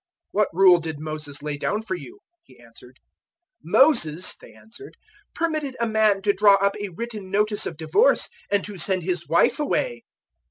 010:003 "What rule did Moses lay down for you?" He answered. 010:004 "Moses," they said, "permitted a man to draw up a written notice of divorce, and to send his wife away."